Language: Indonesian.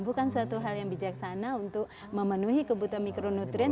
bukan suatu hal yang bijaksana untuk memenuhi kebutuhan mikronutrien